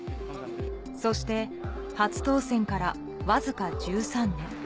そして、初当選から僅か１３年。